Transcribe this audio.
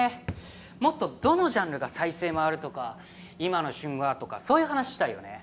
もっとどのジャンルが再生回るとか今の旬はとかそういう話したいよね